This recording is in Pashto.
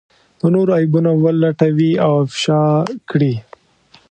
د نورو عيبونه ولټوي او افشا کړي.